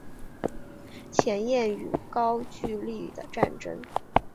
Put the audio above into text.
前燕与高句丽的战争